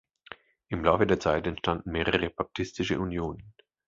Im Laufe der Zeit entstanden mehrere baptistische Unionen.